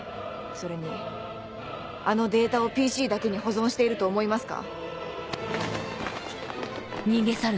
それにあのデータをＰＣだけに保存していると思いますか？